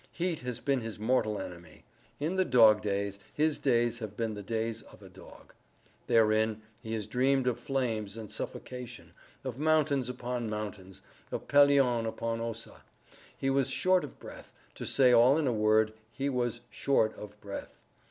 Heat has been his mortal enemy. In the dog days his days have been the days of a dog. Therein, he has dreamed of flames and suffocation—of mountains upon mountains—of Pelion upon Ossa. He was short of breath—to say all in a word, he was short of breath.